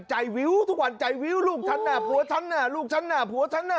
วิวทุกวันใจวิวลูกฉันน่ะผัวฉันน่ะลูกฉันน่ะผัวฉันน่ะ